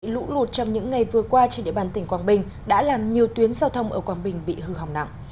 lũ lụt trong những ngày vừa qua trên địa bàn tỉnh quảng bình đã làm nhiều tuyến giao thông ở quảng bình bị hư hỏng nặng